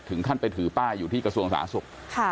ถึงท่านไปถือป้ายอยู่ที่กระทรวงศาสตร์ศพค่ะ